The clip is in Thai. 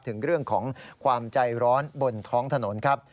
ถึงเรื่องของความใจร้อนบนท้องถนนครับ